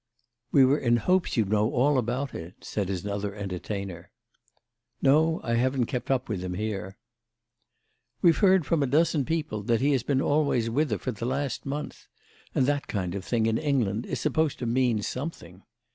"We were in hopes you'd know all about it," said his other entertainer. "No, I haven't kept up with him there." "We've heard from a dozen people that he has been always with her for the last month—and that kind of thing, in England, is supposed to mean something.